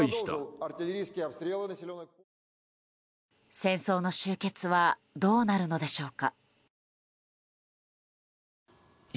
戦争の終結はどうなるのでしょうか。